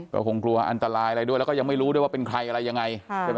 ก็คงกลัวอันตรายอะไรด้วยแล้วก็ยังไม่รู้ด้วยว่าเป็นใครอะไรยังไงใช่ไหม